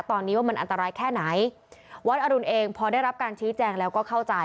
ตอนนี้ว่ามันอันตรายแค่ไหนวัดอรุณเองพอได้รับการชี้แจงแล้วก็เข้าใจ